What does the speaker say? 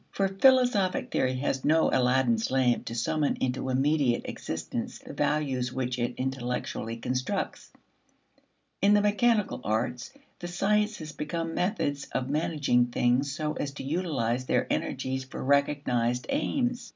For philosophic theory has no Aladdin's lamp to summon into immediate existence the values which it intellectually constructs. In the mechanical arts, the sciences become methods of managing things so as to utilize their energies for recognized aims.